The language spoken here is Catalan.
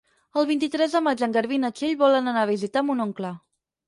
El vint-i-tres de maig en Garbí i na Txell volen anar a visitar mon oncle.